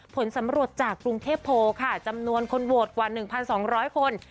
ผลสำรวจจากกรุงเทพโพค่ะจำนวนคนโหวตกว่า๑๒๐๐คน